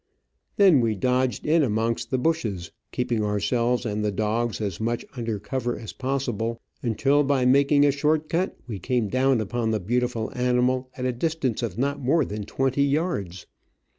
Then we dodged in amongst the bushes, keeping ourselves and the dogs as much under cover as possible^ until by making a short cut w^e came down upon the beautiful animal at a distance of not rnore than twenty yards.